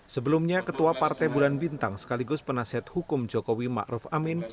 sebelumnya ketua partai bulan bintang sekaligus penasihat hukum jokowi ma'ruf amin